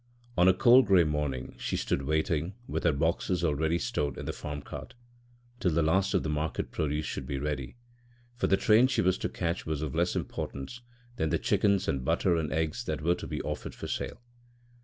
On a cold grey morning she stood waiting, with her boxes already stowed in the farm cart, till the last of the market produce should be ready, for the train she was to catch was of less importance than the chickens and butter and eggs that were to be offered for sale.